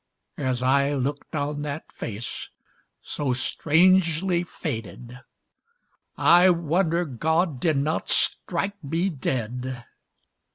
As I looked on that face so strangely faded I wonder God did not strike me dead.